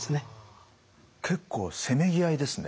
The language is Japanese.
結構せめぎ合いですね。